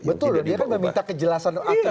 betul dia meminta kejelasan aturan yang ajak